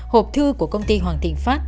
hộp thư của công ty hoàng thịnh pháp